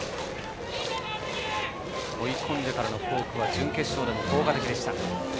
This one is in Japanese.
追い込んでからのフォークは準決勝でも効果的でした。